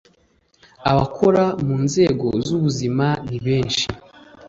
Abakora mu nzego z'ubuzima ni benshi